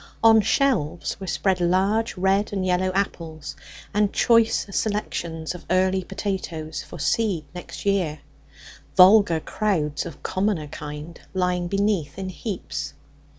On shelves were spread large red and yellow apples, and choice selections of early potatoes for seed next year; vulgar crowds of commoner kind lying beneath in heaps.